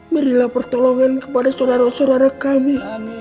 berilah pertolongan kepada saudara saudara kami